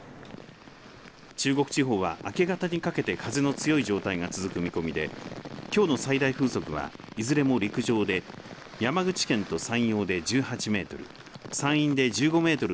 中国地方は明け方にかけて風の強い状態が続く見込みできょうの最大風速はいずれも陸上で山口県と山陽で１８メートル